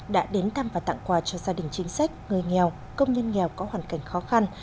đã đến thăm và tặng quà cho gia đình chính sách người nghèo công nhân nghèo có hoàn cảnh khó khăn